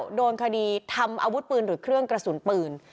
โดนคดีทำอาวุธปืนหรือเครื่องกระสุนปืน